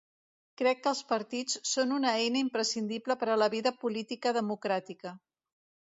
Crec que els partits són una eina imprescindible per a la vida política democràtica.